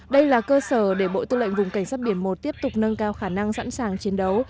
đây là cơ sở để bộ tư lệnh vùng cảnh sát biển một tiếp tục nâng cao khả năng sẵn sàng chiến đấu